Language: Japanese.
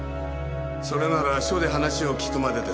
それなら署で話を聞くまでです。